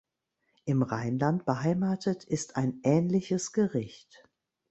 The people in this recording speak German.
Im Rheinland beheimatet ist ein ähnliches Gericht.